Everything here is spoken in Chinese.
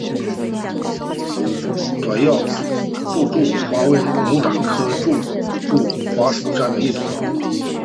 短药肋柱花为龙胆科肋柱花属下的一个种。